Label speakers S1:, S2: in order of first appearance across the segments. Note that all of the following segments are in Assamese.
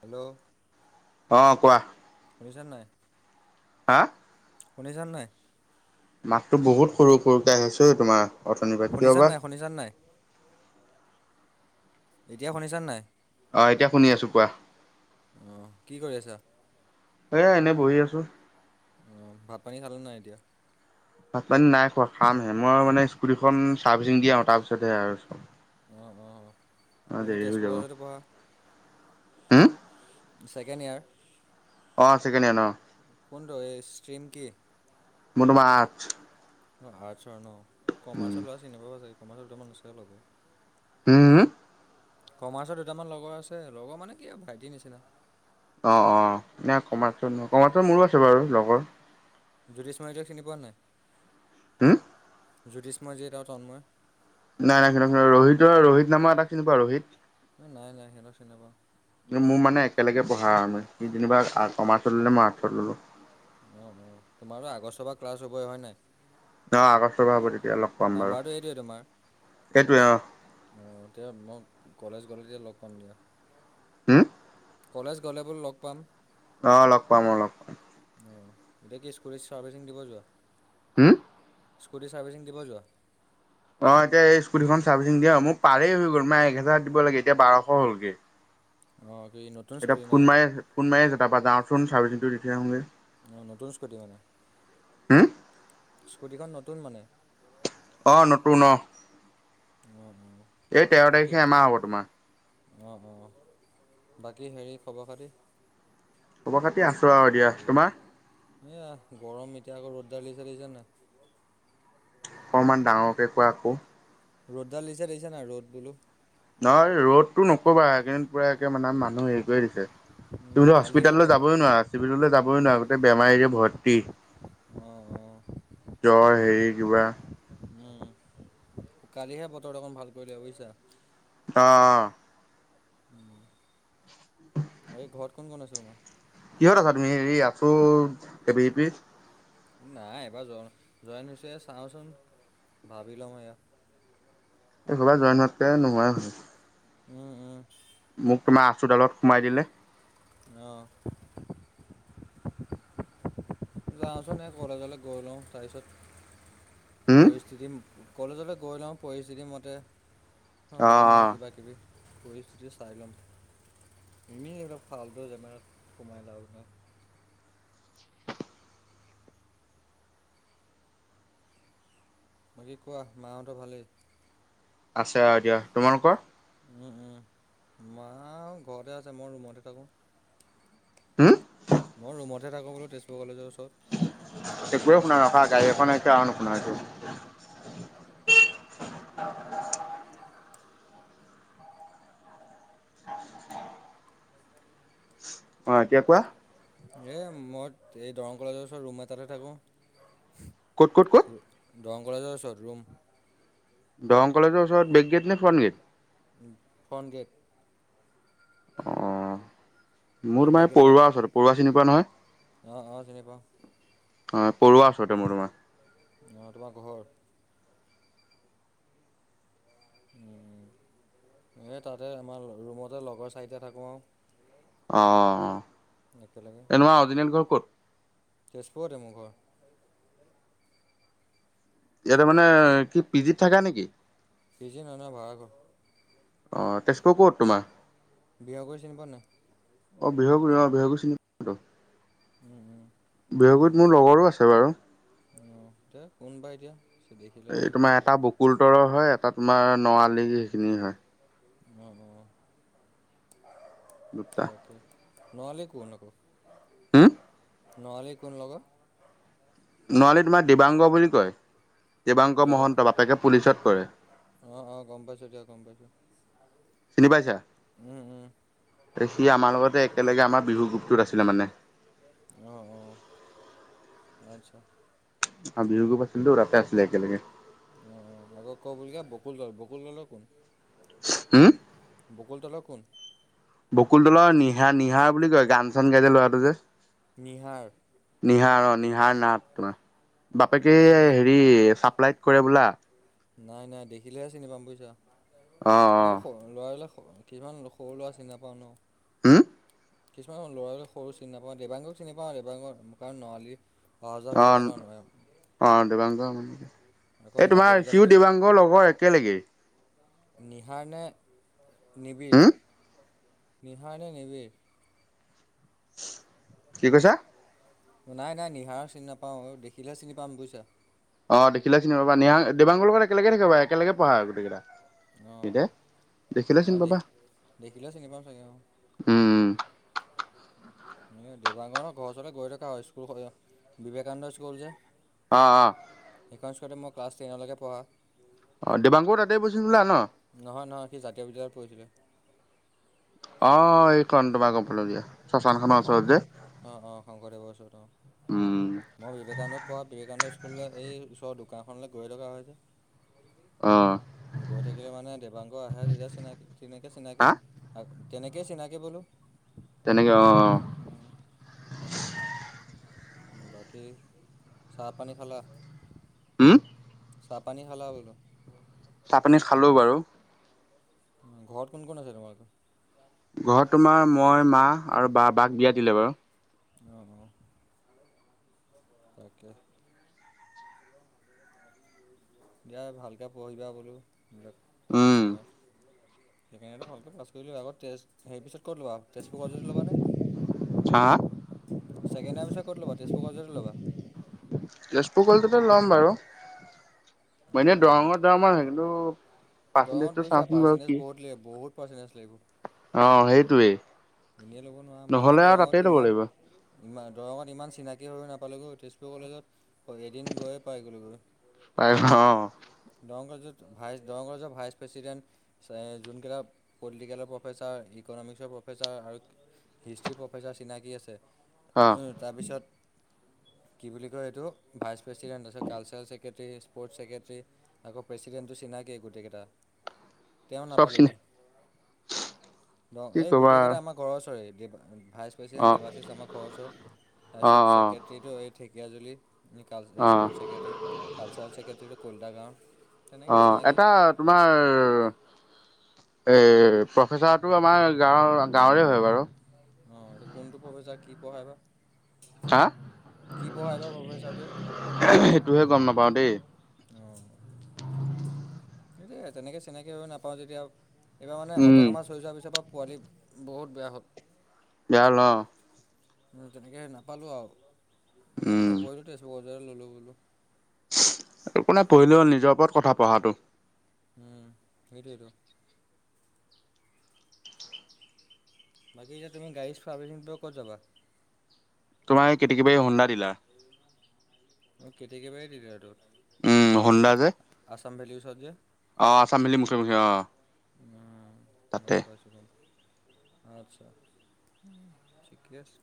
S1: হেল্ল'।
S2: অ' কোৱা।
S1: শুনিছা নাই?
S2: হা?
S1: শুনিছা নাই?
S2: মাতটো বহুত সৰু সৰুকে আহিছে এই তোমাৰ। অথনিৰ পৰা কিয়
S1: শুনিছা
S2: বা
S1: নাই, শুনিছা নাই, এতিয়া শুনিছান নাই?
S2: অ', এতিয়া শুনি আছো কোৱা।
S1: অ', কি কৰি আছা?
S2: এই এনে বহি আছো।
S1: অ', ভাত পানী খালা নাই এতিয়া?
S2: ভাত পানী নাই খোৱা, খামহে মই মানে স্কুটিখন চাৰ্ভিচিং দিয়া আৰু তাৰপিছতহে আৰু চ
S1: অ' অ', তুমিতো তেজপুৰ কলেজতে পঢ়া।
S2: হম?
S1: Second year.
S2: অ' ছেকেণ্ড ইয়াৰ ন।
S1: কোনটো এই ষ্ট্ৰ্ৰীম কি?
S2: মই তোমাৰ আৰ্চত।
S1: অ', আৰ্টছৰ ন,
S2: উম
S1: কমাৰ্চৰ ল'ৰা চিনি পাব চাগে কমাৰ্চৰ দুটামান আছে লগৰ।
S2: উম হম।
S1: কমাৰ্চত দুটামান লগৰ আছে, লগৰ মানে কি আৰু ভাইটিৰ নিচিনা।
S2: অ' অ', এ কমাৰ্চৰ কমাৰ্চৰ ন মোৰো আছে বাৰু লগৰ।
S1: জোতিষ চৰাইদেক চিনি পোৱা নাই?
S2: হম?
S1: জ্যোতিষ মইযিত আৰু তন্ময়।
S2: নাই নাই, ৰোহিতৰ ৰোহিত নামৰ এটা চিনি পোৱা ৰোহিত।
S1: এ নাই নাই, সিহঁতক চিনি নাপাওঁ।
S2: কিন্তু মোৰ মানে একেলগে পঢ়া আৰু মানে, সি যেনিবা কমাৰ্চত ল'লে মই আৰ্টছত ল'লোঁ।
S1: অ', তোমাৰতো আগষ্টৰ পৰা ক্লাছ হ'বই হয় নাই?
S2: অ', আগষ্টৰ পৰা হ'ব তেতিয়া লম।
S1: নাম্বাৰটো এইটোৱে তোমাৰ?
S2: অ
S1: অ', এতিয়া মই কলেজ গ'লে তেতিয়া লগ পাম দিয়ক।
S2: হম?
S1: কলেজ গ'লে বোলো লগ পাম।
S2: অ' লগ পাম, অ', লগ পাম।
S1: অ', এতিয়া কি স্কুটি চাৰ্ভিচিং দিব যোৱা?
S2: হম।
S1: স্কুটি চাৰ্ভিচিং দিব যোৱা?
S2: অ এতিয়া এই স্কুটীখন চাৰ্ভিচিং দিয়া মোৰ পাৰেই হৈ গল এক হেজাৰ দিব লাগে এতিয়া বাৰশ হ'লগে
S1: অ কি নো
S2: এতিয়া ফোন মাৰি আছে ফোন মাৰি আছে তাৰ পৰা যাওঁ চোন চাৰ্ভিচিংটো দি থৈ আহোগে
S1: অ নতুন স্কুটি মানে
S2: হুম,
S1: স্কুটিখন নতুন মানে
S2: অ নতুন অ
S1: অ অ
S2: এই তেৰ তাৰিখে এমাহ হব তোমাৰ
S1: অ অ বাকী হেৰি খবৰ খাতি
S2: খবৰ খাতি আছো আৰু দিয়া তোমাৰ
S1: এয়া গৰম এতিয়া আকৌ ৰদ দাল দিছে দেখিছা নাই
S2: অকণমান ডাঙৰকে কোৱা আক
S1: ৰ'দ ডাল দিছে দেখিছা নাই ৰ'দ বোলো
S2: নহয় ৰ'দটো নকবা এইকেইদিন পুৰা একে মানে মানুহ হেৰি কৰি দিছে
S1: উম,
S2: তুমিতো
S1: কালিহে ব
S2: হস্পিতাললৈ
S1: অঁ
S2: যাবই নোৱাৰা চিভিললৈ যাবই নোৱাৰা গোটেই বেমাৰীৰে ভৰ্তি
S1: অঁ
S2: জ্বৰ হেৰি কিবা
S1: উম কালিহে বতৰটো অকন ভাল কৰিলে বুজিছা
S2: অ অ
S1: উম এই ঘৰত কোন কোন আছে তোমাৰ
S2: কিহত আছা তুমি হেৰি আছো এ বিপি
S1: নাই এবাৰ জ জইন হৈছোহে চাওঁচোন ভাবি লও এয়া
S2: এই সবা জইন হোৱকে নোহোয়াই হ'ল
S1: উম উম
S2: মোক তোমাৰ আচুডালত সোমাই দিলে
S1: অ যাওঁচোন এই কলেজলে গৈ লওঁ তাৰপিছত
S2: হুম
S1: পৰিস্থিতি কলেজলে গৈ লওঁ পৰিস্থিতিমতে
S2: অ
S1: হ'ম
S2: অ
S1: আৰু কিবাকিবি পৰিস্থিতি চাই লম ইনেই এইবিলাক ফাল্টু জেমেলাত সোমাই লাভ নাই বাকী কোৱা মাহঁতৰ ভালেই
S2: আছে আৰু দিয়া তোমালোকৰ
S1: উম উম মা ঘৰতে আছে মই ৰুমতে থাকো
S2: হুম
S1: মই ৰুমতহে থাকো বোলো তেজপুৰ কলেজৰ ওচৰত
S2: একোৱেই শুনাই ৰখা গাড়ী এখন আহিছে আৰু নুহুনা হৈছো
S1: [unintelligible]
S2: অ এতিয়া কোৱা
S1: এই মই এই দৰং কলেজৰ ওচৰত ৰুম এটাতহে থাকো
S2: কত কত কত
S1: দৰং কলেজৰ ওচৰত ৰুম
S2: দৰং কলেজৰ ওচৰত ব্ৰেক গেট নে ফ্ৰোন গেট
S1: ফ্ৰন গেট
S2: অ
S1: কিয়
S2: মোৰ তোমাৰ পৰুৱা ওচৰত পৰুৱা চিনি পোৱা নহয়
S1: অ অ চিনি পাওঁ
S2: অ পৰুৱা ওচৰতে মোৰ তোমাৰ
S1: অ তোমাৰ ঘৰ উম এই তাতে আমাৰ ৰুমতে লগৰ চাৰিটা থাকো আৰু
S2: অ অ
S1: একেলগে
S2: এই তোমাৰ অৰিজিনেল ঘৰ ক'ত
S1: তেজপুৰতে মোৰ ঘৰ
S2: ইয়াতে মানে কি পিজিত থাকা নেকি
S1: পিজি নহয় নহয় ভাড়া ঘৰ
S2: অ তেজপুৰ ক'ত তোমাৰ
S1: বিয়া কৰি চিনি পোৱা নাই
S2: অ বিহ কৰি অ বিহ কৰি চিনি
S1: উম উম
S2: বিহগুইত মোৰ লগৰো আছে বাৰু
S1: অ দে কোনবা এতিয়া দেখিলে চিনি
S2: এই
S1: পাম
S2: তোমাৰ এটা
S1: চাগে
S2: বকুল তৰৰ হয় এটা তোমাৰ নআলি সেইখিনি হয়
S1: অ অ
S2: দুটা
S1: তাকে নআলি কোন আকৌ
S2: হম
S1: নআলি কোন লগত
S2: নৱালি তোমাৰ দিবাংগ বুলি কয় দেৱাংক
S1: দেবা
S2: মহন্ত বাপেকে পুলিচত কৰে
S1: অঁ অঁ গম পাইছোঁ দিয়া গম পাইছোঁ
S2: চিনি পাইছা
S1: উম উম
S2: এ সি আমাৰ লগতে একেলগে আমাৰ বিহু গ্ৰুপটোত আছিলে মানে
S1: অ অ আচ্ছা
S2: অ বিহু গ্ৰুপ আছিল তো তাতে আছিলে একেলগে
S1: অ অ আকৌ ক' বুলিগা বকুল গাঁৱৰ বকুল দলৰ কোন
S2: উম
S1: বকুল তলৰ কোন
S2: বকুল তলৰ নিহা নিহা বুলি কয় গান চান গাই যে লৰাটো যে
S1: নিহাৰ
S2: নিহাৰ অ নিহাৰ নাট তোমাৰ বাপেকে
S1: নাই নাই
S2: হেৰি চাপ্লাইত কৰে বোলা
S1: নাই নাই দেখিলেহে চিনি পাম বুইছ
S2: অ
S1: সেনেকে ল'ৰাবিলাক, কিছুমান সৰু ল'ৰা চিনি নাপাওঁ ন
S2: উম
S1: কিছুমান ল'ৰাবিলাক সৰু চিনি নাপাওঁ, দেৱাংগক চিনি পাওঁ, দেবাংগ কাৰণ নৱালী।
S2: অ', অ' দেবাংগ মানে এতিয়া,
S1: আকৌ
S2: এই
S1: জাতীয়
S2: তোমাৰ চিউ
S1: বিদ্যালয়তে
S2: দেবাংগৰ লগৰ একেলগেই।
S1: নিহাৰ নে নিবিৰ,
S2: হম
S1: নিহাৰ নে নিবিৰ।
S2: কি কৈছা?
S1: নাই নাই নিহাৰক চিনি নাপাওঁ, অ' দেখিলে চিনি পাম বুইছা।
S2: অ দেখিলে চিনি পাবা নিহাং দিবাগৰ লগত একেলগে থাকে বা একেলগে পঢা গোটেইকেইটা
S1: অ না দেখ দেখিলে চিনি পামা চাগে অ
S2: উম
S1: এনেকে দেৱাগনৰ ঘৰ ওচৰতে গৈ থকা হয় স্কুল বিবেকানন্দ স্কুল যে।
S2: অ' অ'
S1: সেইখন স্কুলতে মই ক্লাছ টেনলেকে পঢ়া।
S2: অ' দেবাংগও তাতেই পঢ়িছিল হ'বলা ন।
S1: নহয় নহয়, সি জাতীয় বিদ্যালয়ত পঢ়িছিলে।
S2: অ' এইখন তোমাৰ গম পালো দিয়া শশানখনৰ ওচৰত যে
S1: অ' অ' শংকৰদেৱৰ ওচৰত
S2: উম
S1: অ' মই বিবেকানন্দত পঢ়া বিবেকানন্দ স্কুলৰ এই ওচৰৰ দোকানখনলে গৈ থকা হয় যে
S2: অ
S1: গৈ থাকিলে মানে দেবাংগ আহে, যেতিয়া চিনাকি তেনেকে চিনাকি
S2: হা
S1: তেনেকে চিনাকি বোলো।
S2: তেনেকৈ অ'অ'।
S1: হ। বাকী, চাহ পানী খালা।
S2: উম্।
S1: চাহ পানী খালা বোলো।
S2: চাহ পানী খালো বাৰু
S1: ঘৰত কোন কোন আছে তোমালোকৰ?
S2: ঘৰত তোমাৰ মই মা আৰু বা, বাক বিয়া দিলে বাৰু।
S1: অহ্ অহ্ তাকেহে। দিয়া ভালকে পঢ়িবা বোলো, হ'লে
S2: উম
S1: চেকেণ্ডী য়েছে। সেইকাৰণে ভালকৈ পাছ কৰি লোৱা আগত, টেষ্ট সেই পিছত ক'ত ল'বা আকৌ তেজপুৰতে ল'বানে।
S2: হা
S1: ছেকেণ্ডৰীয়া পিছত ক'ত ল'বা, তেজপুৰ কলেজতে ল'বা।
S2: তেজপুৰ কলেজতে ল'ম বাৰু,
S1: অঁ
S2: এনে দৰঙৰ যাম বুলি ভাবিছিলো, দৰঙৰ কিন্তু।
S1: দৰংত
S2: পাৰ্চেন্টেজটো
S1: বুজিছা
S2: চাওঁচোন বাৰু
S1: পাৰ্চেন্টেজ
S2: কি
S1: বহুত লাগিব, বহুত পাৰ্চেন্টেজ লাগিব।
S2: অ' সেইটোৱেই।
S1: এনেয়ে ল'ব নোৱাৰা, মই
S2: নহ'লে আৰু তাতেই
S1: দৰঙত ইমান।
S2: ল'ব
S1: ইমান, দৰঙত ইমান চিনাকি হৈ নাপালোগৈ, তেজপুৰ কলেজত এদিন গৈয়ে পাইগ'লোগৈ।
S2: পাৰিব অ'।
S1: দৰং কলেজত ভাইচ, দৰং কলেজৰ ভাইচ প্ৰেচিডেণ্ট। যোনকেইটা প'লিটিকেলৰ প্ৰফেচাৰ, ইক'নমিক্সৰ প্ৰফেচাৰ আৰু। হিষ্ট্ৰি প্ৰফেচাৰ চিনাকী আছে
S2: অ
S1: তাৰপিছত। কি বুলি কয় এইটো ভাইচ প্ৰেছিডেণ্ট, তাৰপিছত কালচাৰেল চেক্ৰেটৰী স্পৰ্টছ ছেক্ৰেটৰী। আকৌ প্ৰেচিডেণ্টো চিনাকিয়েই গোটেইকেইটা। তেওঁ
S2: চব চিনি
S1: নাপালোগৈ, অ'
S2: কি
S1: এই
S2: ক'বা
S1: গোটেই কেইটা আমাক। ঘৰ ওচৰৰে দেৱা, ভাইচ
S2: অ
S1: প্ৰেচিডেণ্ট দেৱাশিস আমাৰ ঘৰ ওচৰ,
S2: অ
S1: তাৰপিছত
S2: অ
S1: ছেক্ৰেটৰী। টীটো, এই ঢেকীয়াজুলি
S2: অ
S1: স্পৰ্টছ ছেক্ৰেটেৰী কালচাৰেল ছেক্ৰেটৰীটো কলিতা গাঁৱৰ। তেনেকৈ
S2: অ'
S1: চিনাকি
S2: এটা তোমাৰ। এই প্ৰফেচাৰটো আমাৰ গাঁৱৰ গাঁৱৰে হয় বাৰু।
S1: অ এইটো কোনটো প্ৰফেছাৰ কি পঢ়াই বা?
S2: হা
S1: কি পঢ়া এইবাৰ প্ৰফেছাৰ টোৱে?
S2: সেইটোহে গম নাপাও দেই।
S1: অ তেনেকৈ চিনাকি হৈ নাপাওঁ যেতিয়া এইবাৰ মানে
S2: উম
S1: অট'ন'মাছ হৈ যোৱাৰ পিছৰ পৰা পোৱালি বহুত বেয়া হ'ল।
S2: [unintelligible]
S1: তেনেকৈে নাপালোঁ আৰু সেইকাৰণে
S2: উম
S1: নপৰিলোঁ [unintelligible]
S2: আৰু কোনে পঢ়িল হ'ল নিজৰ ওপৰত কথা পঢ়াটো।
S1: উম সেইটোৱেটো। বাকী এতিয়া তুমি গাড়ী চাৰ্ভিচিং ক'ত যাবা।
S2: তোমাৰ কেতেকীবাৰী হন্দা দিলাৰ।
S1: অ' কেতেকীবাৰী জিলাৰ টো।
S2: উম্ হোন্দা যে।
S1: আছাম ভেলিউচত যে।
S2: অঁ আছাম ভেলি মুখি মুখি অঁ।
S1: ম গম পাইছোঁ। আছা ঠিকে আছে।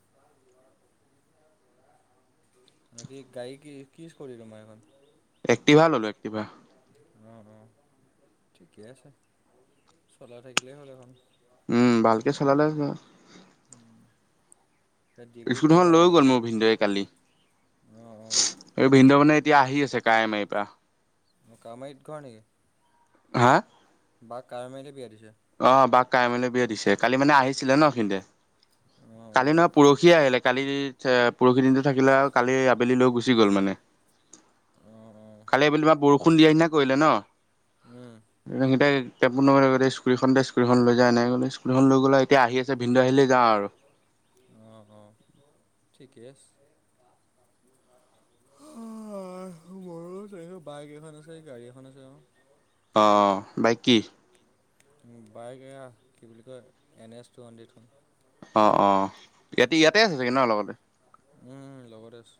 S1: বাকি গাড়ী কি কি কৰি তোমাৰ এইখন?
S2: এক্টিভা ল'লো এক্টিভা।
S1: অ অ ঠিকে আছে, চলাই থাকিলেই হ'ল এখন।
S2: উম ভালকে চলালে
S1: উম।
S2: স্কুটিখন লৈ গ'ল মোৰ ভিনদৱে কালি।
S1: অঁ
S2: এই ভিন্দ মানে এতিয়া আহি আছে কাৰেমাৰী পৰা।
S1: মই কামএইত ঘৰ নেকি?
S2: হা?
S1: বাক কাৱৈমাৰীতে বিয়া দিছে।
S2: অ বাক কাৱৈমাৰীলৈ বিয়া দিছে কালি মানে আহিছিলে ন ভিনদৱে।
S1: অঁ অঁ
S2: কালি নহয় পৰহি আহিলে কালি পৰহি দিনটো থাকিলে আৰু কালি আবেলি লৈ গুচি গ'ল মানে।
S1: অঁ
S2: কালি আবেলি বৰষুণ দিয়া নিচিনা কৰিলে ন।
S1: উম।
S2: স্কুটি খন দে স্কুটীখন লৈ যাওঁ এনেকে কলে স্কুটি খন লৈ এতিয়া আহি আছে ভিন্দয়ে আহিলে যাম আওঁ
S1: অঁ অ ঠিকে আছে। আহ মোৰো বাইক এখন আছে গাড়ী এখন আছে অ।
S2: অঁ বাইক কি?
S1: বাইক এয়া কি বুলি কয় এন এছ টু হাণ্ড্ৰেডখন।
S2: অঁ অঁ ইয়াতে ইয়াতে আছে চাগে নহয় লগতে?
S1: উম লগতে আছে।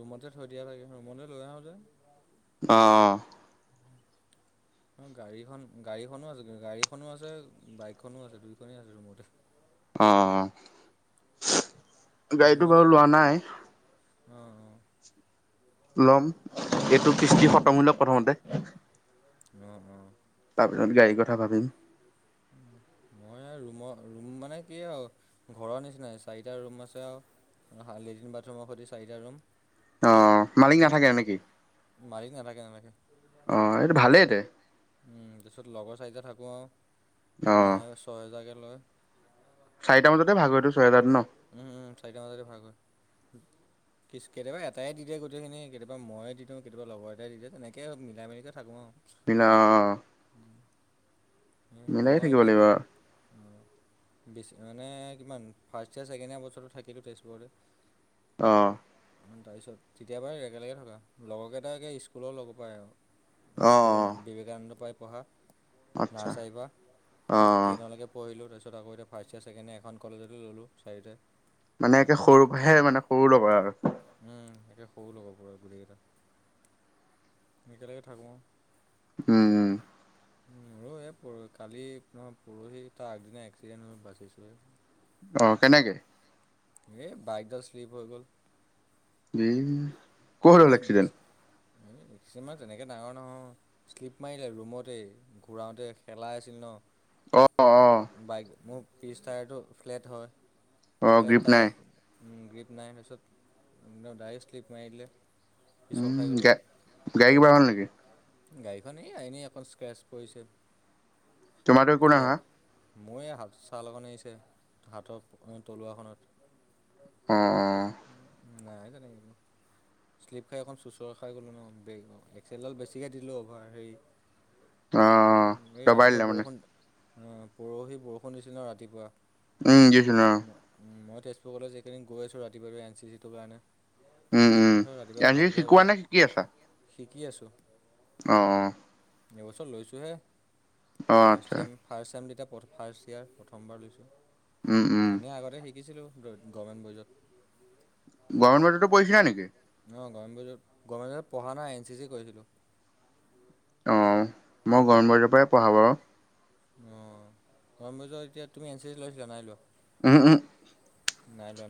S1: ৰুমতে থৈ দিয়া লাগে ৰুমতে লৈ আহোঁতে।
S2: অ অ
S1: [inaudible] অঁ গাড়ীখন গাড়ীখনো আছে গাড়ীখনো আছে বাইকখনো আছে দুইখনেই আছে ৰুমতে।
S2: অ। অ
S1: ৰুম
S2: গাড়ীটো
S1: মানে
S2: বাৰু লোৱা
S1: ৰখ
S2: নাই
S1: অ অ।
S2: লম এইটো কৃষ্টি খতম হৈ লক প্ৰথমতে।
S1: অহ অ।
S2: তাৰপিছত গাড়ীৰ কথা ভাবিম।
S1: মই আৰু ৰুমৰ ৰুম মানে কি আৰু ঘৰৰ নিচিনাই চাৰিটা ৰুম আছে আৰু লেট্ৰিন বাথৰুমৰ সৈতে চাৰিটা ৰুম।
S2: অ', মালিক নাথাকে নেকি
S1: তাৰপিছত মালিক নাথাকে তেনেকে
S2: অঁ এইটো ভালেইতে
S1: তাৰপিছত লগৰ চাৰিটা থাকোঁ আৰু
S2: অ'।
S1: মাহে ছহেজাৰকৈ লয়
S2: চাৰিটা বজতে ভাগ হয়তটো ছয়জাৰত ন
S1: উম উম চাৰিটা মাজতে ভাগ হয়। কি কেতিয়াবা এটাই দি দে গোটেইখিনি কেতিয়াবা ময়ে দিওঁ কেতিয়াবা লগৰ এটাই দে তেনেকৈে মিলাই মিলিকৈ থাকো আৰু
S2: অঁ
S1: মই
S2: থাকিব
S1: এতিয়া
S2: লাগিব অ
S1: অঁ বেছি মানে কিমান ফাৰ ছেকেন্দেৰি বছৰটো থাকিলো তেজপুৰতে
S2: অঁ
S1: তাৰপিছত তেতিয়া বাৰ একেলগে থকা লগৰ কেইটাই একে স্কুলৰ লগৰ পৰাই আৰু।
S2: অ
S1: স্কুলৰ বিবেকানন্দৰপৰাই পঢ়া,
S2: আচ্ছা
S1: নাৰ্চাৰীৰপৰা
S2: অ
S1: টেইনলৈকে। পঢ়িলো তাৰপিছ আকৌ এতিয়া ফাৰ্ষ্ট য়াৰ ছেকেণ্ড ইয়াৰ এখন কলেজতে ল'লো চাৰিটাই।
S2: মানে একে সৰুহে মানে সৰু লগৰ আৰু।
S1: উম, একে সৰু লগাবৰ পাৰা গোটেইকেইটা। একেলগে থাকোঁ।
S2: উম, উম।
S1: উম, আৰু এ, পৰ কালি নহয় পৰহি তাৰ আগদিনা এক্সিডেণ্ট হৈ বাচিছোহে।
S2: অ' কেনেকে?
S1: এ, বাইকডাল শ্লিপ হৈ গ'ল।
S2: ই ক'ত হ'ল
S1: মানে বেছ,
S2: এক্সিডেণ্ট
S1: কিছুমান তেনেকে ডাঙৰ নহয়। শ্লিপ মাৰিলে ৰুমতে, ঘূৰাওঁতে খেলাই আছিল
S2: অ অ
S1: ন'। বাইক মোৰ পিচ টায়াৰটো ফ্লেট হয়।
S2: অ
S1: ফ্লেট
S2: গ্ৰীপ নাই
S1: তায়াৰ উম, গ্ৰীপ নাই তাৰপিছত ডাইৰেক্ট শ্লিপ মাৰি দিলে। পিছল খাই
S2: উম,
S1: গ'লোঁ
S2: গা গাড়ীৰ কিবা হ'ল নেকি?
S1: গাড়ীখন এ, এনেই অকণ স্ক্ৰেচ পৰিছে।
S2: তোমাৰতো একো নাই
S1: ল
S2: হোৱা
S1: মোৰ এ, হাত ছালখন অকন এৰিছে, হাতৰ তলুৱাখনত।
S2: অ', অ'।
S1: নাই তেনেকে [unintelligible] শ্লিপ খাই অকণ চুচৰ খাই গ'লো ন' বে এক্সেলডাল বেছিকৈ দিলোঁ অভাৰ হেৰি
S2: অ অ
S1: [inaudible] এই
S2: দবাই
S1: ৰাতিপুৱা
S2: দিলে মানে
S1: বৰষুণ, অ' পৰহি বৰষুণ দিছিল ন' ৰাতিপুৱা।
S2: উম, [unintelligible]
S1: উম, মই তেজপুৰ কলেজ এই কেইদিন গৈ আছোঁ ৰাতিপুৱা এন চি চিটোৰ কাৰণে।
S2: উম উম
S1: তাৰপিছত ৰাতিপুৱা
S2: আজি
S1: ৰাতিপুৱা
S2: শিকোৱা নে শিকি আছা
S1: ওলাই, শিকি আছোঁ।
S2: অ', অ'।
S1: এইবছৰ লৈছোঁহে,
S2: অ অ
S1: ফাষ্ট
S2: আচ্ছা
S1: চেম। ফাৰ্ষ্ট চেম তেতিয়া ফাৰ্ষ্ট য়াৰ প্ৰথমবাৰ লৈছোঁ।
S2: উম উম
S1: এনেই আগতে শিকিছিলোঁ গ-গভমেণ্ট বইজত।
S2: গভমেণ্ট বইজতো পঢ়িছিলা নেকি?
S1: অ' গভমেন বইজত, গভমেন বইজত পঢ়া নাই, এন চি চি কৰিছিলোঁ।
S2: অ' মই গভমেন বইজৰপৰাই পঢ়া বাৰু।
S1: অ' গভমেন বইজত এতিয়া তুমি এন চি চি লৈছিলা, নাই লোৱা।
S2: উহু, উহু।
S1: নাই লোৱা ন'?